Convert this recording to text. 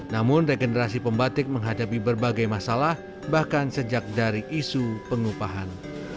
namun regenerasi pembatik menghadapi berbagai masalah bahkan sejak dari isu pengupahan